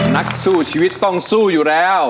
นักสู้ชีวิตต้องสู้อยู่แล้ว